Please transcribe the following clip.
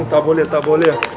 tak boleh tak boleh